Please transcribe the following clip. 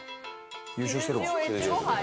優勝してるわ。